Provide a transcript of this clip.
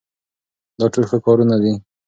دا ټول ښه کارونه دي.